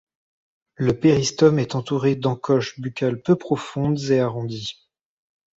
Le péristome est entouré d'encoches buccales peu profondes et arrondies.